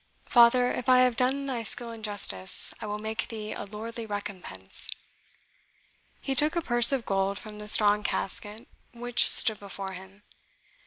Father, if I have done thy skill injustice, I will make thee a lordly recompense." He took a purse of gold from the strong casket which stood before him.